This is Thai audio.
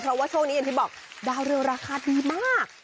เพราะว่าช่วงนี้อย่างที่บอกดาวเรือราคาดีมาก